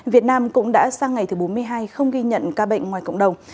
việt nam cũng đã sang ngày thứ bốn mươi hai không ghi nhận ca bệnh ngoài cộng đồng